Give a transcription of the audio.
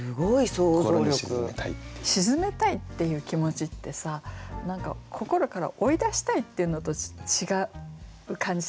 沈めたいっていう気持ちってさ何か心から追い出したいっていうのと違う感じしません？